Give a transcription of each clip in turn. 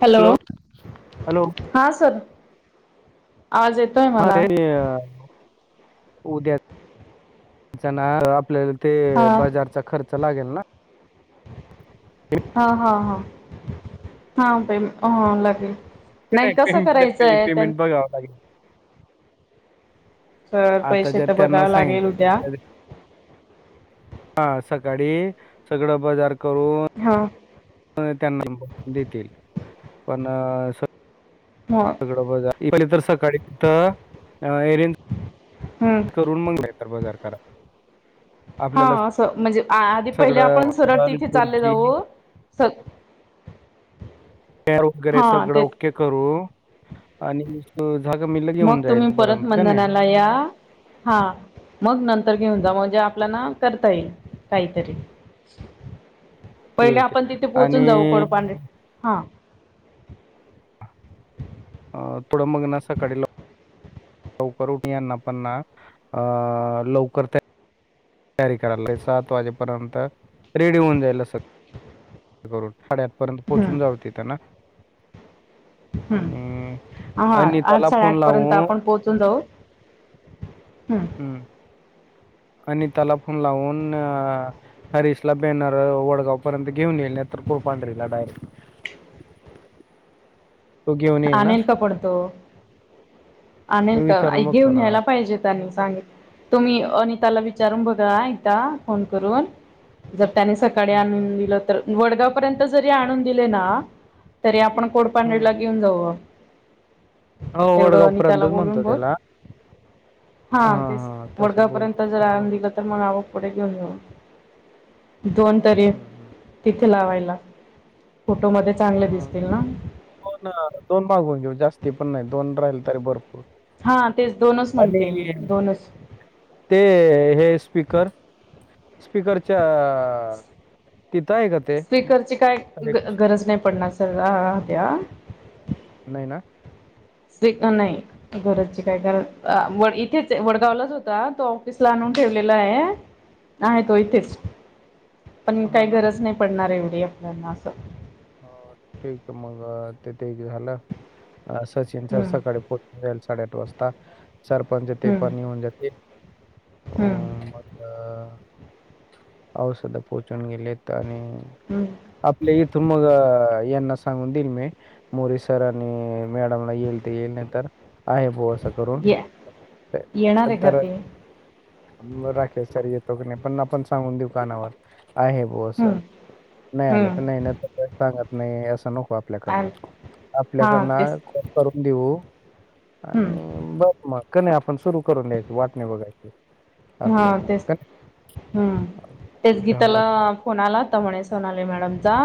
Hello, hello हा sir आवाज येत हां उद्या ना आपलं. [unintelligible] ते हां बजारचा खर्च लागेल ना. हा हा हा हा ह, लागेल. नाही कसं, करायचंय त्यांन बगाव लागेल. सर आता पैसे जर तर त्यांना बघावं लागेल सांगलं उद्या तर, हा सकाळी सगळं बाजार करून. हा. त्यांना देतील. पण स्व हां सगळं बघा. पहिले तर सकाळी तिथं एरन, हं [unintelligible] तर बाजार करा. आपल्याला हां असं म्हणजे, आधी पहिले सगळं आपण सरळ टेबल तिथे चाले खुर्ची जाऊ स र वगैरे हां सगळं तेच ओके करू आणि जागा मिललं घेऊन जाईल तपर्यंत काय नाही. काया हा मग नंतर घेऊन जा म्हणजे आपल्या ना करता येईल काहीतरी पहिले आपण तिथे पोहोचून जाऊ आणि कडपाां हा अ थोडं मग ना सकाळी लवकर लवकर उठयाना पणना अ लवकर त्या तॅरी करायला सात वाजेपर्यंत रेडी होऊन जायला. कर साडेआठ पर्यंत हं पोहोचून जाऊते त्यांना हम्म हा आठ अनिताला फोन साडेआठ पर्यंत लावून आपण पोहोचून जाऊ. हम् आणि त्याला फोन लावून. हरीश ला बॅनर वडगाव पर्यंत घेऊन येईल नाही तर कुळपांढरीला डायरेक्ट [unintelligible] येईल ना आणल का पडतो आणल मी का विचारून बघतो घेऊन ना या्यायला पाहिजे. सांगल तुम्ही अिताला विचारून बघा एकदा फोन करून. जर त्यानी सकाळी आणून हम्म दिलं. वडगाव पर्यंत जरी आणून दिले ना तरी आपण कोडपडला घेऊन जाऊ हो वडगाव तेवढं नीताला पर्यंतच बोलून म्हणतो बर. त्याला हा तेच तसं वडगाव बोल पर्यंत जर मग आराम दिला. तर मग आवं पुढे घेऊन जाेऊ दोन तरी हम्म हम्म तिथे लावायला फोटो म चांगले दिसतील हा ना. दोन दोन मागून घेऊ जास्ती पण नाही दोन राहिल तरी भरपूर हा तेच दोनच आणि म्हणते मी दोनच ते हे स्पीकर स्पीकरच्या तिथं आहे का ते स्वीकरची काय अरे गरज नाही पडणार सर द्या. नाही ना शक नाही. घरजचे काय कारण व इथेच वडगावलाच होता तो ऑफिसला आणून ठेवलेला आहे. आहे तो इथेच पण हा काही ना गरज नाही पडणार एवढी आपल्याना असं. हो ठीक मग तेथ एक झालं. अ सचिन सर हम्म सकाळी पोहचून जाईल साडेआठ वाजता. सरपंच येते हम्म पण निऊन जाते. हम्म अ औसध पोहोचून गेलेत आणि हम्म आपले इ तुमग येना सांग होणल मे मोरी सर आणि मॅडमला येईल ते येईल नाही तर आहे बोवा सकत करून या येणार आहे का तर ते राखे सर येतो की नाही पण आपण सांगून दुकानावर आहे. हो सर हम्म नाही आलं तर नाही हम्म नाही तर काही सांगत नाही असं नक आ आपल्याकडन हां आपल्याकड तेच करून देऊ हम्म आणि ब मग क नाही आपण सुरू करून द्यायची वाटणी बघायची. हा आपल्या आपलं तेच का नाही हम्म ते तेच झालं गीताला कोणाला तर म्हणे सोनाले मॅडम जा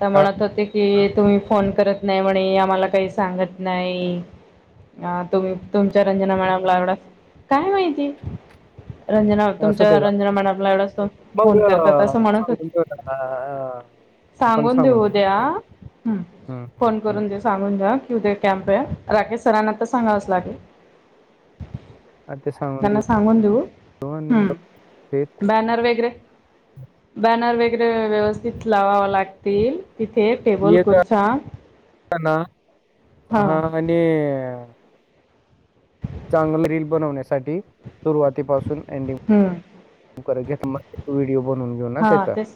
तर हा, म्हणत होते. की तुम्ही फोन करत नाही म्हणे आम्हाला काही सांगत नाही. अ तुम तुमच्या रंजना मॅडमला एवढा काय माहिती रंजना असू दे तुमच्या जा. रंजना मॅडमला एवढा मग फोन करतात अं, अस म्हणत सांगून होती. देऊ ना, अं, आपण सांगून देऊ उद्या ह हम्म, फोन हम्म. करून देस सांगून द्या की उद्या कॅम्प आहे. राकेश सरांना तर सांगावच लागेल. हा, ते सांगून देऊ त्यांना सांगून देऊ. आणि ते हम्म बॅनर वगैरे बॅनर वगैरे व्यवस्थित लावावे लागतील. तिथे टेबल खुर्च्या येताना हा [unintelligible] चांगली रील बनवण्यासाठी सुरुवात पासून एंडिंग हम्म मग व्हिडिओ बनवून घेऊ ना हा त्याचा. तेच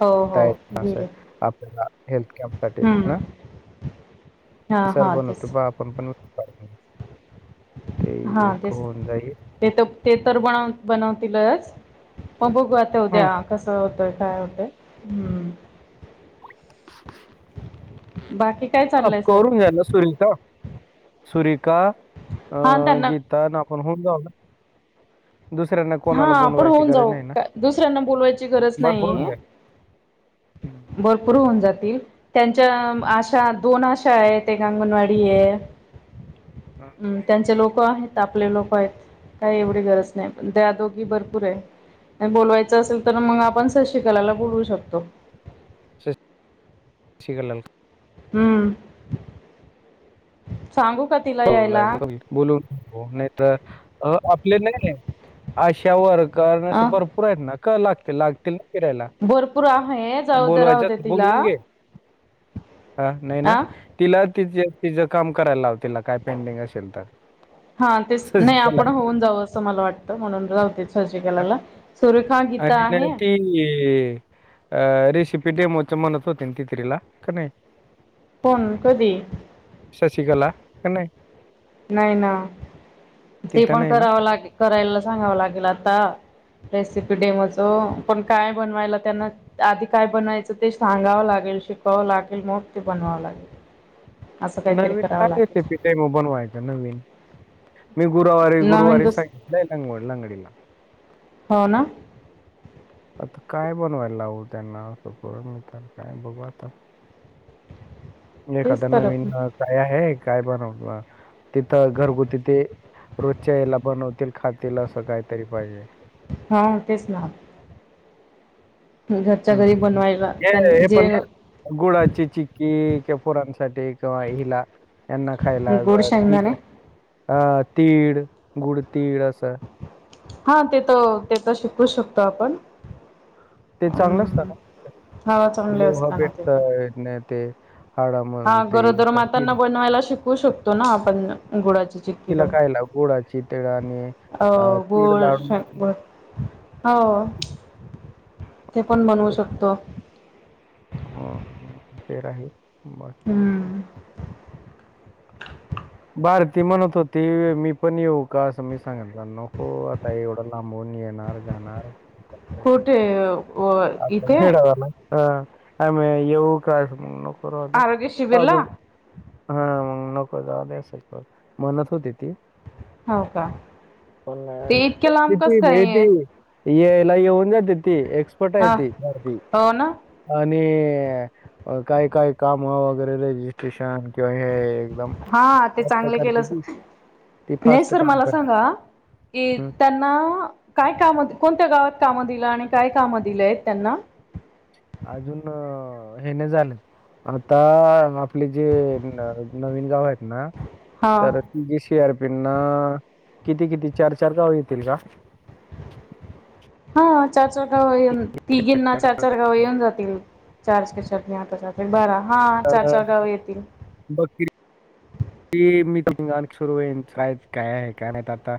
हो य हो व्हिडिओ आपल्याला हेल्थ कॅम्प साठी हम्म ना हा सर हा तेच आपण पण ते हा एक तेच होऊन जाईल ते तर ते तर बनव बनवतीलच मग बघू आता. ते हं. उद्या कस होतय काय होतय. हम्म [inaudible] बाकी काय अफ चाललंय सर करून घ्या ना सुरिता. सुरिका अ हा त्यांना गी तर आपण होऊन जाऊ ना. दुसऱ्यांना हा कोणाला आपण बोलवायची होऊन गरज जाऊ नाही ना. का दुसऱ्यांना बोलवायची गरज भरपूर होऊन नाहीये जाईल. [inaudible] भरपूर होऊन जातील. त्यांच्या आशा दोन आशा आहेत. एक अंगणवाडी आहे. हम्म त्यांचे लोक आहेत. आपले लोक आहेत. काही एवढी गरज नाही. द्या दोघी भरपूर आहे. बोलवायच असेल तर मग आपण शशिकलाला बोलवू शकतो. [unintelligible] हम्म सांगू का तिला. यायला बोलायच बोलून नाही तर आपले नाही आशावर कारण असे अं, भरपूर आहेत ना. का लागतील लागतील फिरायला भरपूर आहे जाऊ दे बोलवायच राहू दे तिला बोलवून घे. हा नाही ना. आ तिला ति तिच काम करायला लाव तिला काय पेंडिंग असेल तर. हा तेच नाही सजिकल आपण आहे होऊन जाऊ अस मला वाटत. म्हणून राहू दे. शशिकलाला सुरेखा, गीता आहे. ये अ रेसिपी डेमोच म्हणत होती ना तीतरीला. का नाही. पण कधी. शशीकला क नही. नाही ना ते तिथं पण नाही ना कराव लागेल करायला सांगाव लागेल आता. रेसिपी डेमोच पण काय बनवायला त्यांना आधी काय बनायच ते सांगाव लागेल शिकवाव लागेल मग ते बनवाव लागेल. असं काहीतरी नवीन करावं काढ रेसिपी. लागेल डेमो बनवायच नवीन. मी गुरुवारी नवीन गुरुवारी दुस सांगितल लागवड लंगडी. हो ना आता काय बनवायला लावू त्यांना. काय बघू आता. एकाद तेच तर नवीन काय आहे. काय बनवू पण आता. तिथ घरगुती ते रोजच्या याला बनवतील खातील अस कायतरी पाहिजे. हा तेच ना, घरच्या हम् हम घरी हम बनवायला हे त्यांनी हे पण जे ना गुळाची चिक्की कि फोरांसाठी किंवा हिला यांना खायला गोड ती शेंगदाणे अ तीळ गुडतीळ असं हा तिथं ते तर शिकू शकतो आपण ते चांगलं असतं हवा का चांगले लोह असताना ते भेटत पण अन ते हाडं हा मजबूत आहे. गरोदर मातांना तिळ बनवायला शिकवू शकतो ना आपण गुळची चक्की. तिला हं खायला गुळाची तीळ आणि अ, तीळ लाडू गोड बरं हो ते पण बनवू शकतो. ह ह ते राहीलं बाकी बसलो. हम्म [inaudible] भारती म्हणतं होती, मी पण येऊ का असं सांगितलं नको आता एवढं लांबवून येणार जाणार हो व हा येऊ काय नको आरोग्य शिबिरला [unintelligible] हा मग नको जाऊ द्या म्हणतं होती ती हो का, पण नाही ते आली इतक्या लांब कस का काय इथं यायला येऊन जाते ती कुठं हाय हा ती भारती हो ना आणि काय काय काम वगैरे रजिस्ट्रेशन हे एकदम हा ते चांगलं केलं ती फास्ट काम करते. की हम्म त्यांना काय काम कोणत्या गावात काम दिलं आणि काय कामं दिलंय त्यांना अजून हे नाही झालं आता आपले जे नवीन गाव आहेत ना तर हा गी स आर पि ना किती किती चार चार गाव येतील का? हो चार चार गावं येणं तीघीनां चार चार चार गाव येऊन जातील, चार एके चार दोन आठ त्रिक बारा हा चार चार गावं येतील बाकी ती मी तिथंग सुरू होईन काय काय आहे का नाही आता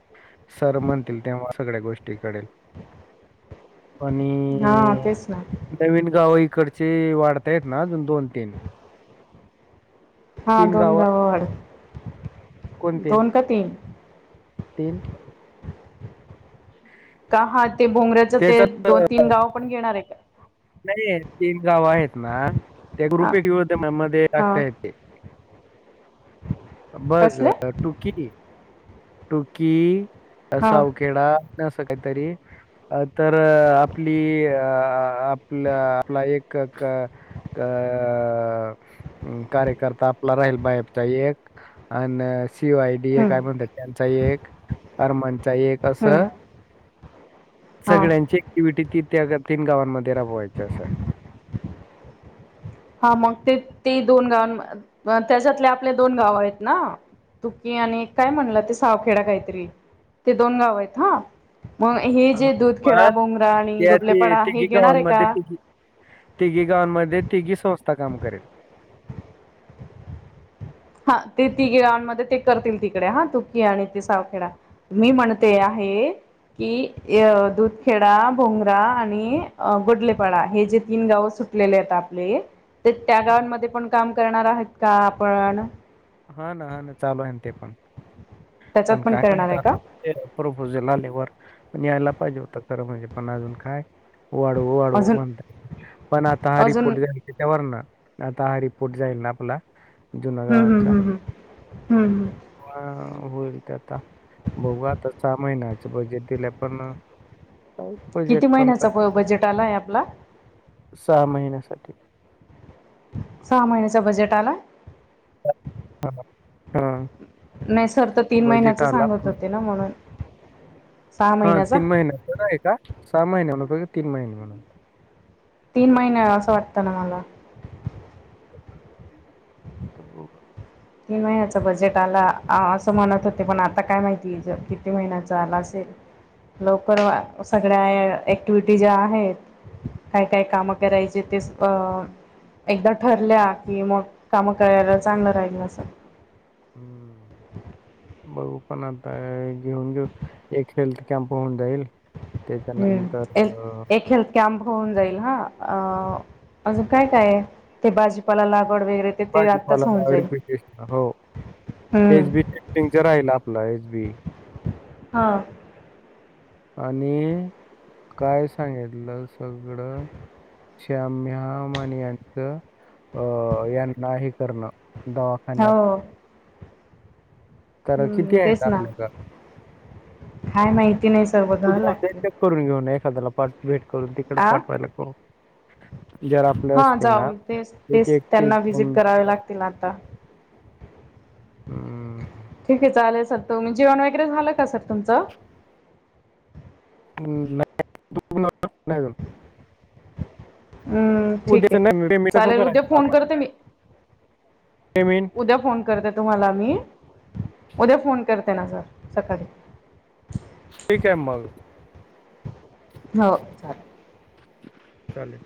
सर म्हणतील तेव्हा सगळ्या गोष्टी कळेल. आणी हा तेच ना नवीन गाव इकडचे वाढतायेत ना अजून दोन तीन हा दोन गाव वाड कोणते दोन का तीन? तीन. का हा ते भोंगऱ्याचं ते त्याच्यात दोन तीन गाव पण घेणार आहे का? नाही तीन गाव आहेत ना त्या हा ग्रुप ए मध्ये हा लागताय. बघ कसले तूकी किती. टुकी, हा सावखेडा असं काहीतरी अ तर आपली अ आपल्या आपला एक अ अ कार्यकर्ता आपला राहील बायपचा एक आणि शिवाय हम्म एक आहे म्हणतात त्यांचा एक अर्मनचा एक हम्म असं हा सगळ्यांची ऍक्टिव्हटी ती त्या तीन गावांमध्ये राबवायची असं. हा मग ते तेी दोन गावां त्याच्यातले आपले दोन गाव आहेत ना तुकीी आणि काय म्हणलं ते सावखेडा काहीतरी ते दोन गाव आहेत हा मग हे हां, जे दूधखेड पण बोंगरा आणि त्या ती गोटलेपाडा हे घेणार आहे गावांमध्ये का? तिघी गावांमध्ये तिघी संस्था काम करेल हा ते ती ग गावां मध्ये ते करतील तिकडे हा तुकी आणि ते सावखेडा मी म्हणते आहे कि दुधखेडा भोंगरा आणि गोटलेपाडा हे जे तीन गावं सुट ले आहेत आपले ते त्या गावांमध्ये पण काम करणार आहेत का? आपण हा ना हा ना चालू आहे ते पण त्याच्यात पण काय करणार माहित आहे आ का ते प्रपोझल आले वर पण यायला पाहिजे होत खरं म्हणजे पण अजून काय वाढवू वाढवू अजून म्हणतात पण आता हा अजून रिपोर्ट जाय त्याच्यावर ना आता हा रिपोर्ट जाईल ना आपला जुना हम् हम् गावांचा हम् हम् हम् हम्म होईल ते आता बघू आता सहा महिन्याच बजेट दिलय पण काय बजेट किती? पण तर महिन्याचा बजेट आलाय आपला सहा महिन्या साठी सहा महिन्याच बजेट आला हा हा नाही सर तर तीन बजेट महिन्याच आला सांगत पण होते ना म्हणून सहा हा महिन्याचा तीन महिन्या आहे का? सहा महिन्या म्हत तीन महिने म्हणून तीन महिने असं वाटतं ना मला आता बघू तीन महिन्याच बजेट आला असं म्हणत होते पण आता काय माहिती किती महिन्याचा आला असेल लवकर सगळ्या ऍक्टिव्हटी ज्या आहेत काय काय कामं करायचे ते अ एकदा ठरल्या की मग कामं करायला चांगलं राहिलं हम्म बघऊ पण आता घेऊन घेऊन एक हेल्थ कॅम्प होऊन जाईल त्याच्यानंतर हम्म अ, एक खे कॅम्प होऊन जाईल हा अ अजून काय काय? ते भाजीपाला लागवड वगैरे ते ते भाजीपाला आत्ताच होऊन जाईल ऑरगॅनिक टेस्ट हो एच बी हम्म टेस्टिंगच राहील आपलं एच बी हां आणि काय सांगितितलं सगळं श्याम्या माण यांचं अ यांना हे करणं द हो तर हम्म किती आहेत? तेच ना आपल्याकडं काय माहिती नाही सर बघावं लागतील उद्या करून घेऊन एक हजारला पास्ट वेट करून तिकड पाठवाय लागतो हां जाऊन तेच एक तेच एक एक त्यांना व्हिजिट दोन करावे लाग तिला आता.. अं, की तिचं आलंय सद तुम्ही जेवण वगैरे झालं का सर तुमचं हं [inaudible] न्हाय गेलो हम्म ठीक आहे उद्याचं नाही पेमेंटचं कसं चालेल उद्या करायचं फोन आपण? करते मी पेमेंट उद्या फोन करते तुम्हाला मी, उद्या फोन करते ना सर सकाळी. ठीक आहे मग. हो चालेल. चालेल.